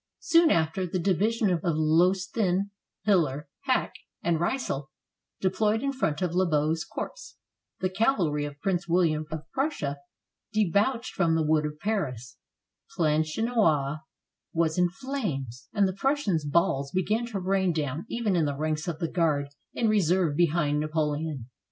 Soon after, the divisions of Losthin, Hiller, Hacke, and Ryssel deployed in front of Lobau's corps, the cavalry of Prince William of Prussia debouched from the wood of Paris, Planchenoit was in flames, and the Prussian balls began to rain down even in the ranks of the Guard in reserve behind Napoleon.